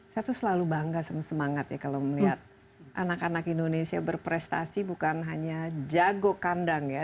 saya tuh selalu bangga sama semangat ya kalau melihat anak anak indonesia berprestasi bukan hanya jago kandang ya